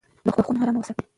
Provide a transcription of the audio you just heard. د خوب خونه ارامه وساتئ.